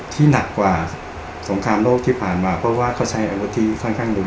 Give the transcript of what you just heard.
หนักกว่าสงครามโลกที่ผ่านมาเพราะว่าเขาใช้อาวุธที่ค่อนข้างดุ